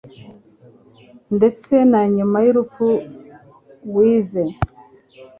Ndetse na nyuma y'urupfu uive,